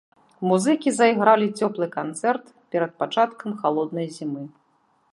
Музыкі зайгралі цёплы канцэрт перад пачаткам халоднай зімы.